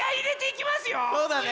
そうだね！